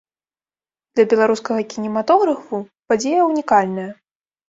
Для беларускага кінематографу падзея ўнікальная.